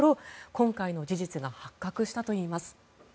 今回の事実が発覚したといいます。